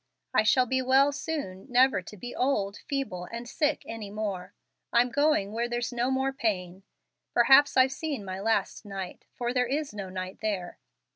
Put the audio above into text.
I shall be well soon, never to be old, feeble, and sick any more. I'm going where there's 'no more pain.' Perhaps I've seen my last night, for there is 'no night there.'"